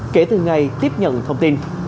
kể từ ngày tiếp nhận thông tin